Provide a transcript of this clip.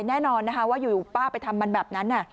แน่นอนนะคะว่าอยู่ป้าไปทำมันแบบนั้น